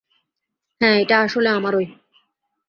হ্যাঁ, এটা আসলে আমারই।